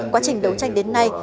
quá trình đấu tranh đến nay